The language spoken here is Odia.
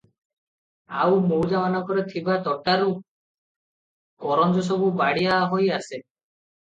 ଆଉ ମୌଜାମାନଙ୍କରେ ଥିବା ତୋଟାରୁ କରଞ୍ଜସବୁ ବାଡ଼ିଆ ହୋଇ ଆସେ ।